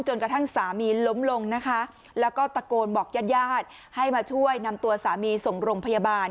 กระทั่งสามีล้มลงนะคะแล้วก็ตะโกนบอกญาติญาติให้มาช่วยนำตัวสามีส่งโรงพยาบาล